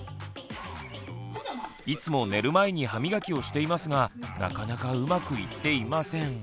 いつも寝る前に歯みがきをしていますがなかなかうまくいっていません。